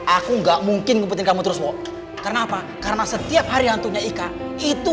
aku nggak mungkin ngupetin kamu terus wo karena apa karena setiap hari hantunya ika itu